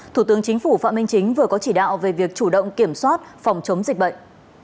thủ tướng chính phủ phạm minh chính vừa có chỉ đạo về việc chủ động kiểm soát phòng chống dịch bệnh